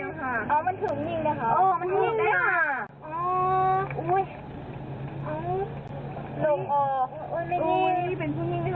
เอามันถึงยิง